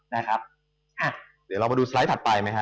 เดี๋ยวเรามาดูสไลด์ถัดไปไหมฮะ